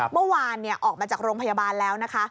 เมื่อวานออกมาจากโรงพยาบาลแล้วนะคะ